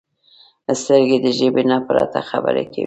سترګې د ژبې نه پرته خبرې کوي